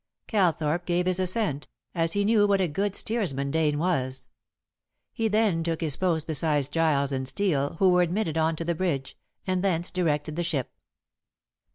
Calthorpe gave his assent, as he knew what a good steersman Dane was. He then took his post beside Giles and Steel, who were admitted on to the bridge, and thence directed the ship.